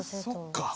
そっか。